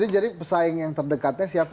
jadi pesaing yang terdekatnya siapa